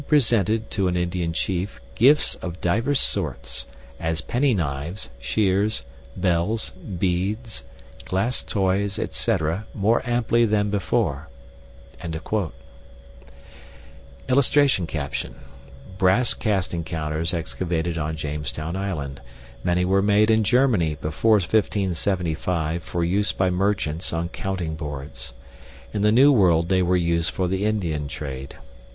presented [to an Indian chief] gyftes of dyvers sortes, as penny knyves, sheeres, belles, beades, glass toyes &c. more amply then before." [Illustration: BRASS CASTING COUNTERS EXCAVATED ON JAMESTOWN ISLAND. MANY WERE MADE IN GERMANY BEFORE 1575 FOR USE BY MERCHANTS ON COUNTING BOARDS. IN THE NEW WORLD THEY WERE USED FOR THE INDIAN TRADE.